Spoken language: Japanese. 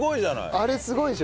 あれすごいでしょ？